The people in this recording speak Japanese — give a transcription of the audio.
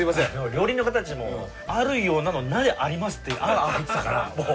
料理人の方たちも「あるよな？」の「な？」で「あります」って言ってたからもう。